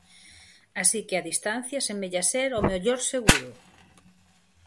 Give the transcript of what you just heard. Así que a distancia semella ser o mellor seguro.